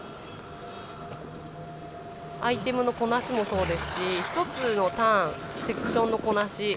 アイテムのこなしもそうですし１つのターンセクションのこなし